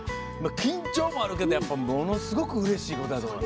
緊張もあるけど、ものすごくうれしいことやと思う。